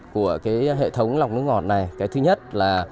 của cái hệ thống lọc nước ngọt này cái thứ nhất là